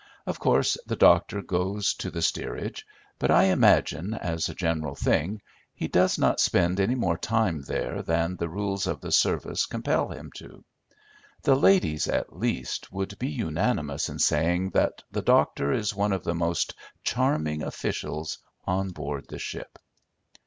Of course the doctor goes to the steerage; but I imagine, as a general thing, he does not spend any more time there than the rules of the service compel him to. The ladies, at least, would be unanimous in saying that the doctor is one of the most charming officials on board the ship.